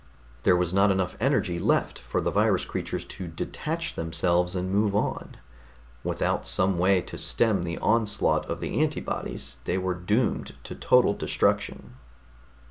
There was not enough energy left for the virus creatures to detach themselves and move on; without some way to stem the onslaught of the antibodies, they were doomed to total destruction.